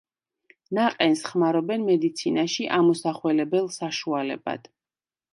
ნაყენს ხმარობენ მედიცინაში ამოსახველებელ საშუალებად.